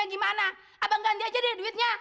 gimana abang ganti aja deh duitnya